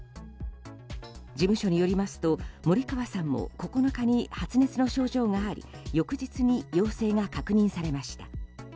事務所によりますと、森川さんも９日に発熱の症状があり翌日に陽性が確認されました。